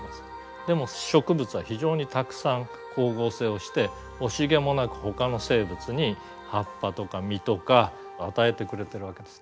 でも植物は非常にたくさん光合成をして惜しげもなくほかの生物に葉っぱとか実とか与えてくれてるわけですね。